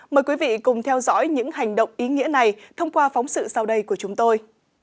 mời quý vị cùng theo dõi những hành động ý nghĩa này thông qua phóng sự sau đây của chúng tôi